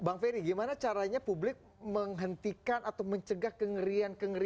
bang ferry gimana caranya publik menghentikan atau mencegah kengerian kengerian